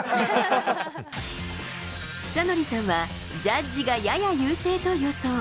尚成さんはジャッジがやや優勢と予想。